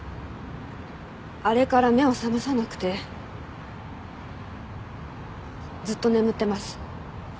あれから目を覚まさなくてずっと眠ってます。